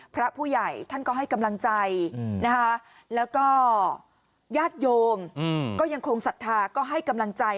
พระผู้ใหญ่ท่านก็ให้กำลังใจนะคะแล้วก็ญาติโยมก็ยังคงศรัทธาก็ให้กำลังใจ